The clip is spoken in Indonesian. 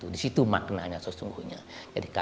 di situ maknanya sesungguhnya